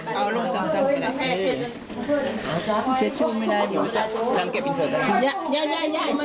ตอนนี้ก็ไม่มีเวลาให้กลับมาเที่ยวกับเวลาเที่ยวกับเวลา